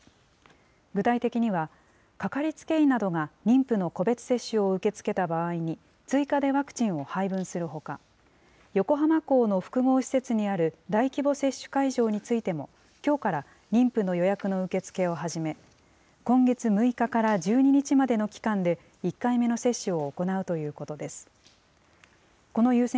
具体的には、かかりつけ医などが妊婦の個別接種を受け付けた場合に、追加でワクチンを配分するほか、横浜港の複合施設にある大規模接種会場についても、きょうから妊婦の予約の受け付けを始め、今月６日から１２日までの期間で、１回目の接種を行うということです。